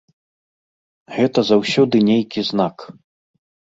Гэта заўсёды нейкі знак.